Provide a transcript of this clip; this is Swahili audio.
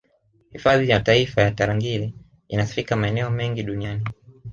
Hifadhi ya taifa ya Tarangire inasifika maeneo mengi Duniani